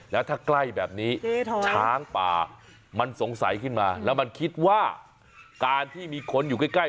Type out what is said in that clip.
แล้วถ้าใกล้แบบนี้ช้างป่ามันสงสัยขึ้นมาแล้วมันคิดว่าการที่มีคนอยู่ใกล้